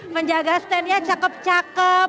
menjaga standnya cakep cakep